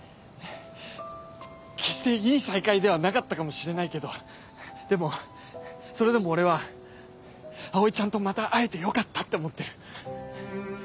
決していい再会ではなかったかもしれないけどでもそれでも俺は葵ちゃんとまた会えてよかったって思ってる。